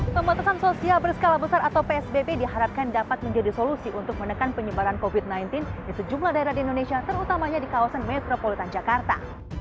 pembatasan sosial berskala besar atau psbb diharapkan dapat menjadi solusi untuk menekan penyebaran covid sembilan belas di sejumlah daerah di indonesia terutamanya di kawasan metropolitan jakarta